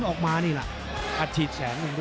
โอ้โหโอ้โหโอ้โหโอ้โห